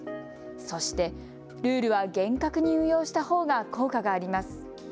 そしてルールは厳格に運用したほうが効果があります。